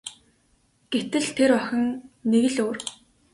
Гэтэл тэр охин нэг л өөр.